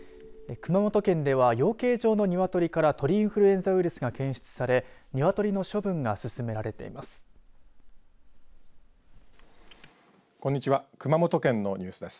熊本県では養鶏場のニワトリから鳥インフルエンザウイルスが検出されニワトリの処分が進められています。